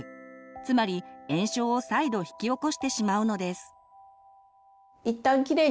つまり炎症を再度引き起こしてしまうのです。